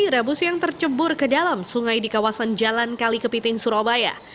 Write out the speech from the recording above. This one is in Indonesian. rebus yang tercebur ke dalam sungai di kawasan jalan kali kepiting surabaya